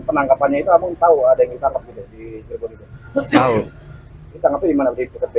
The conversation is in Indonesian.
penangkapannya itu apa tahu ada yang kita lebih di jerman itu tahu kita ngapain mana